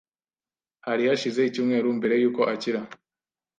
Hari hashize icyumweru mbere yuko akira.